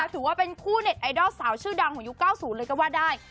ถือว่าเป็นคู่เน็ตไอดอลสาวชื่อดังของยุค๙๐เลยก็ว่าได้